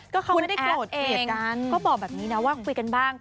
คุณแอฟเองก็บอกแบบนี้นะว่าคุยกันบ้าง